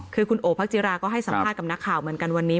คือคุณโอพักจิราก็ให้สัมภาษณ์กับนักข่าวเหมือนกันวันนี้